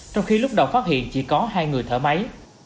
trong khi lúc đầu phát hiện chỉ có hai người thở máy